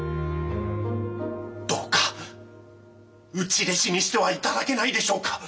どうか内弟子にしては頂けないでしょうか。